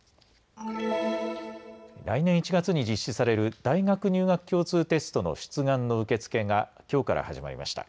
来年１月に実施される大学入学共通テストの出願の受け付けがきょうから始まりました。